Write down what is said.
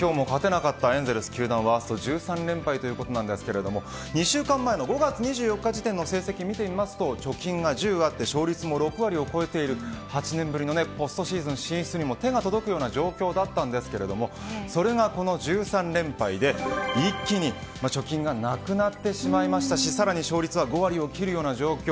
今日も勝てなかったエンゼルス球団ワースト１３連敗ということですが２週間前の５月２４日時点の成績は貯金が１０あって勝率も６割超えている８年ぶりのポストシーズン進出にも手が届く状況だったんですがそれが、この１３連敗で一気に貯金がなくなってしまいましたしさらに勝率は５割を切る状況